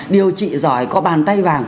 điều trị giỏi có bàn tay vàng